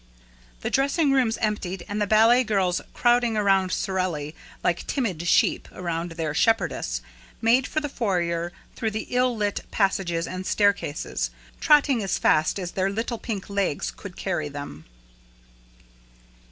The dressing rooms emptied and the ballet girls, crowding around Sorelli like timid sheep around their shepherdess, made for the foyer through the ill lit passages and staircases, trotting as fast as their little pink legs could carry them.